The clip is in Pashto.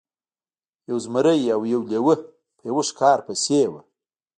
یو زمری او یو لیوه په یوه ښکار پسې وو.